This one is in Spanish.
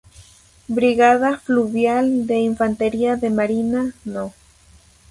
Brigada Fluvial de Infantería de Marina No.